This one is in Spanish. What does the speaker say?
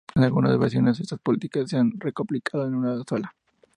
En algunas versiones, estas películas se han recopilado en una sola.